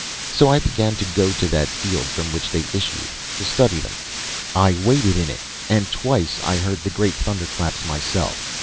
"So I began to go to that field from which they issued, to study them. I waited in it and twice I heard the great thunderclaps myself.